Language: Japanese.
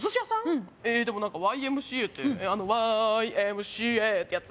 えでもＹＭＣＡってあの「Ｙ．Ｍ．Ｃ．Ａ．」ってやつ？